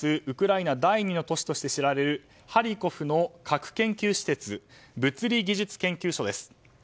ウクライナ第２の都市として知られるハリコフの核研究施設物理技術研究所です。